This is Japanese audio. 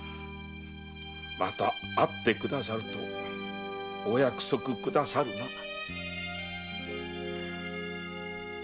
また会ってくださるとお約束くださるな？